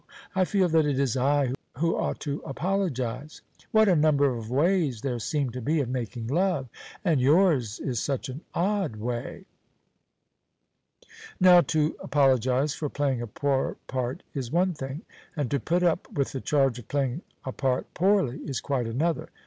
I feel that it is I who ought to apologize. What a number of ways there seem to be of making love, and yours is such an odd way!" Now to apologize for playing a poor part is one thing, and to put up with the charge of playing a part poorly is quite another.